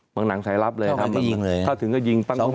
มักก็ฉะนั้นสายลับเลย